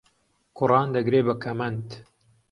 کوڕان دەگرێ بە کەمەند